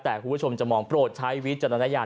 แต่คุณผู้ชมจะมองโปรดใช้วิจารณญาณ